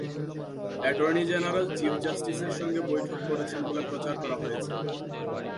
Attorney general chief জাস্টিসের সঙ্গে বৈঠক করেছেন বলে প্রচার করা হয়েছে।